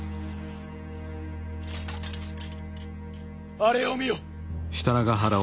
あれを見よ。